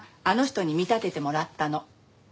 あの人に見立ててもらったの。